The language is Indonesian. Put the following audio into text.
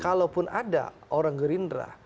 walaupun ada orang gerindra